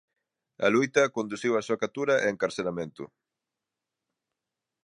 A loita conduciu á súa captura e encarceramento.